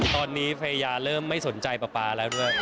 ตอนนี้ภรรยาเริ่มไม่สนใจป๊าป๊าแล้วด้วย